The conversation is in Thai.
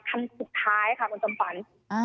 คันสุดท้ายค่ะคุณตอมขวัญ